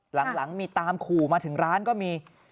หลังมีตามขู่มาถึงร้านก็มี